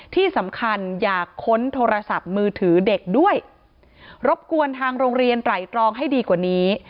ที่สำคัญอยากค้นโทรศัพท์มือถือเด็กด้วยรบกวนทางโรงเรียนไตรตรองให้ดีกว่านี้